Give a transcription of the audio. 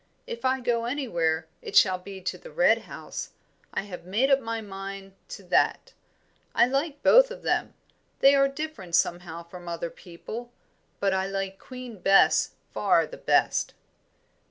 If I go anywhere it shall be to the Red House I have made up my mind to that. I like both of them they are different somehow from other people; but I like Queen Bess far the best."